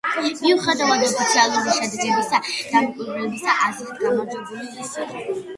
მიუხედავად ოფიციალური შედეგებისა, დამკვირვებლების აზრით გამარჯვებული ის იყო.